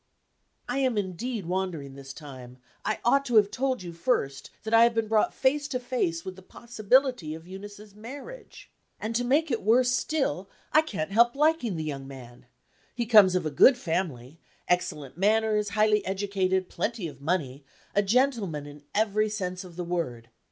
I am, indeed, wandering this time. I ought to have told you first that I have been brought face to face with the possibility of Eunice's marriage. And, to make it worse still, I can't help liking the young man. He comes of a good family excellent manners, highly educated, plenty of money, a gentleman in every sense of the word.